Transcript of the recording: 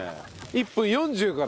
１分４０から。